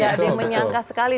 tidak ada yang menyangka sekali